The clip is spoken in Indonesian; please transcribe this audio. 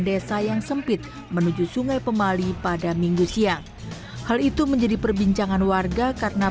desa yang sempit menuju sungai pemali pada minggu siang hal itu menjadi perbincangan warga karena